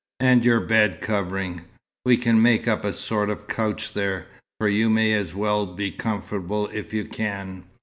"And your bed covering. We can make up a sort of couch there, for you may as well be comfortable if you can.